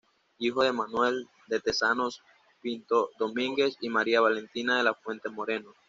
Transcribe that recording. Hijo de Manuel de Tezanos Pinto Domínguez y María Valentina de la Fuente Moreno.